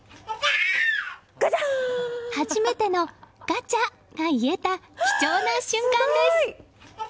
初めてのガチャ！が言えた貴重な瞬間です。